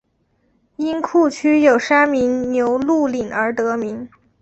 因库区有山名牛路岭而得名。